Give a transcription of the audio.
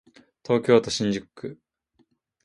東京都新宿区